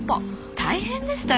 大変でしたよ